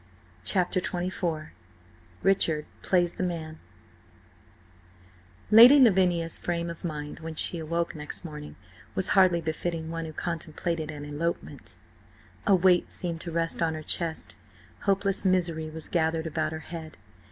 CHAPTER XXIV RICHARD PLAYS THE MAN LADY LAVINIA'S frame of mind when she awoke next morning was hardly befitting one who contemplated an elopement. A weight seemed to rest on her chest, hopeless misery was gathered about her head.